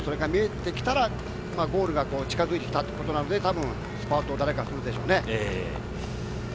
それが見えてきたら、ゴールが近づいたということなので、誰かスパートが来るでしょうね。